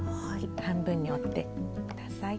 半分に折って下さい。